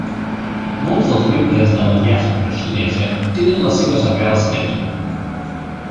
Molts dels membres de la diàspora xinesa tenen les seves arrels aquí.